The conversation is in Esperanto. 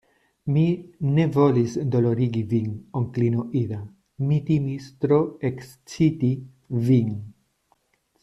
Mi ne volis dolorigi vin, onklino Ida; mi timis tro eksciti vin.